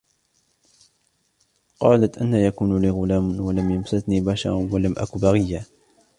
قَالَتْ أَنَّى يَكُونُ لِي غُلَامٌ وَلَمْ يَمْسَسْنِي بَشَرٌ وَلَمْ أَكُ بَغِيًّا